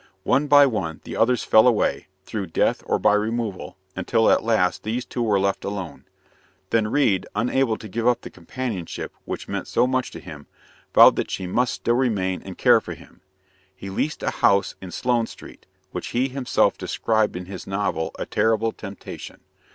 One by one, the others fell away, through death or by removal, until at last these two were left alone. Then Reade, unable to give up the companionship which meant so much to him, vowed that she must still remain and care for him. He leased a house in Sloane Street, which he has himself described in his novel A Terrible Temptation.